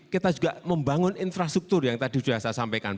kita juga membangun infrastruktur yang tadi sudah saya sampaikan